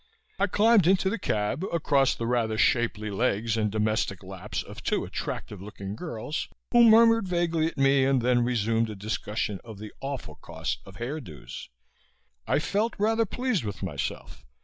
I climbed into the cab, across the rather shapely legs and domestic laps of two attractive looking girls who murmured vaguely at me and then resumed a discussion of the awful cost of hair do's. I felt rather pleased with myself.